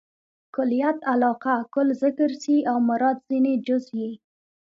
کلیت علاقه؛ کل ذکر سي او مراد ځني جز يي.